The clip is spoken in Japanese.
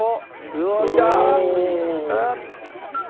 うわあきた！